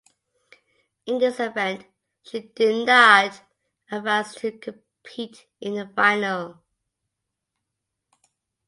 In this event she did not advance to compete in the final.